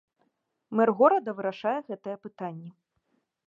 Мэр горада вырашае гэтыя пытанні.